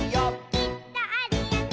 「きっとあるよね」